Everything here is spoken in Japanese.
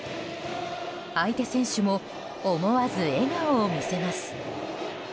相手選手も思わず、笑顔を見せます。